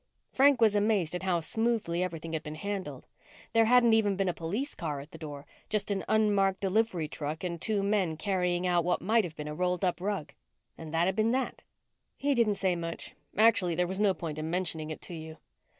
Frank was amazed at how smoothly everything had been handled. There hadn't even been a police car at the door just an unmarked delivery truck and two men carrying out what might have been a rolled up rug. And that had been that. "He didn't say much. Actually, there was no point in mentioning it to you."